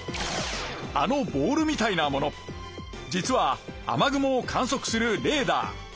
あのボールみたいなもの実は雨雲を観そくするレーダー。